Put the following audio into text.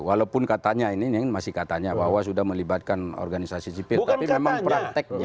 walaupun katanya ini masih katanya bahwa sudah melibatkan organisasi sipil tapi memang praktek